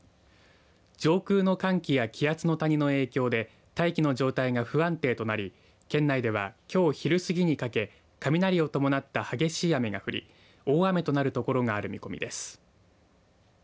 上空の寒気や気圧の谷の影響で大気の状態が不安定となり県内では、きょう昼過ぎにかけ雷を伴った激しい雨が降り大雨となる所がある見込みです。